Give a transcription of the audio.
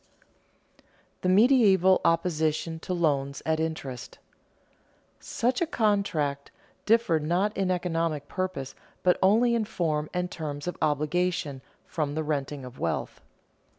[Sidenote: The medieval opposition to loans at interest] Such a contract differed not in economic purpose, but only in form and terms of obligation, from the renting of wealth.